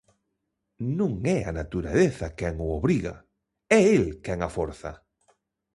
Non é a natureza quen o obriga, é el quen a forza.